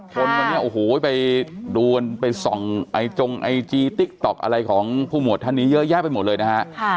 คนวันนี้โอ้โหไปดูกันไปส่องไอจงไอจีติ๊กต๊อกอะไรของผู้หมวดท่านนี้เยอะแยะไปหมดเลยนะฮะ